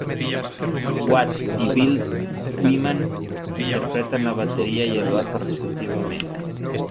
Watts y Bill Wyman interpretan la batería y el bajo respectivamente.